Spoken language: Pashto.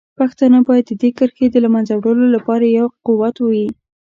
پښتانه باید د دې کرښې د له منځه وړلو لپاره یو قوت وي.